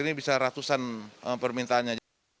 ini bisa ratusan permintaannya